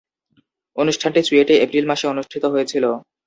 অনুষ্ঠানটি চুয়েটে এপ্রিল মাসে অনুষ্ঠিত হয়েছিলো।